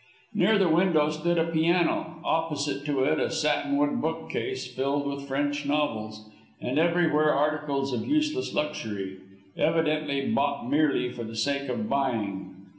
Near the window stood a piano, opposite to it a satinwood bookcase filled with French novels, and everywhere articles of useless luxury, evidently bought merely for the sake of buying.